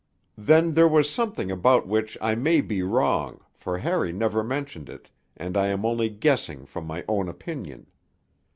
Then there was something about which I may be wrong, for Harry never mentioned it, and I am only guessing from my own opinion.